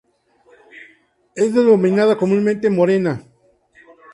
Es denominada comúnmente morena.